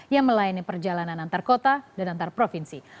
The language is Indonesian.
yang melayani perjalanan antar kota dan antar provinsi